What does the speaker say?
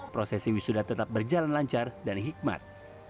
prosesi wisuda tetap berjalan lancar dan hikmat